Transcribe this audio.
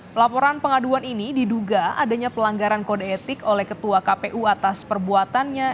pelaporan pengaduan ini diduga adanya pelanggaran kode etik oleh ketua kpu atas perbuatannya